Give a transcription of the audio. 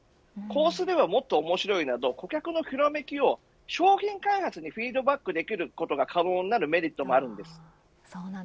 こうすればもっと面白いなど顧客のひらめきを商品開発にフィードバックできることが可能になるメリットもあります。